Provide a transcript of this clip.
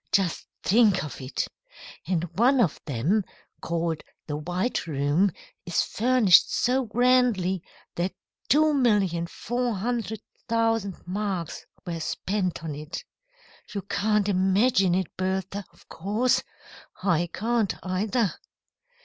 Just think of it! And one of them, called the White Room, is furnished so grandly that 2,400,000 marks were spent on it. You can't imagine it, Bertha, of course. I can't, either."